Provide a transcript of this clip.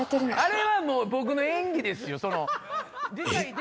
あれは僕の演技ですよ。